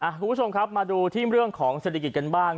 คุณผู้ชมครับมาดูที่เรื่องของเศรษฐกิจกันบ้าง